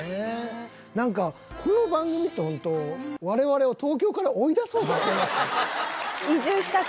なんかこの番組ってホント我々を東京から追い出そうとしてます？